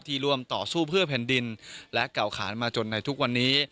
ร่วมต่อสู้เพื่อแผ่นดินและเก่าขานมาจนในทุกวันนี้